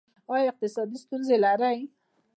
ایا اقتصادي ستونزې لرئ؟